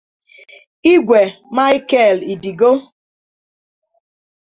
Igwe Michael Idigo